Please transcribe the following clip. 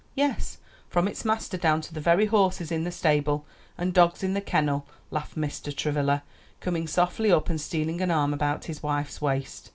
"Yes, from its master down to the very horses in the stable and dogs in the kennel," laughed Mr. Travilla, coming softly up and stealing an arm about his wife's waist.